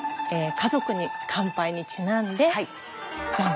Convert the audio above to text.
「家族に乾杯」にちなんでじゃん！